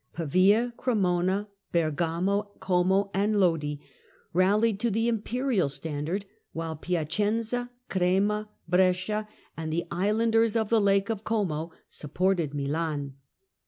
Pa via, Cremona, Bergamo, Como and Frederick Lodi rallied to the imperial standard, while Piacenza, Crema, Italian Ex Brescia and the islanders of the Lake of Como supported 1158*^°^' Milan.